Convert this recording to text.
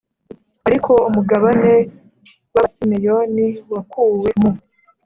Ariko umugabane w Abasimeyoni wakuwe mu